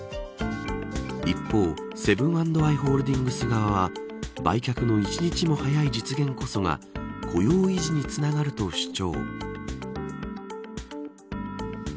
一方セブン＆アイ・ホールディングス側は売却の１日も早い実現こそが雇用維持につながると主張。